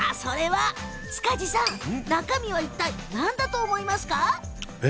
塚地さん、中身はいったい何だと思いますか？